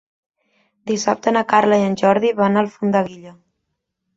Dissabte na Carla i en Jordi van a Alfondeguilla.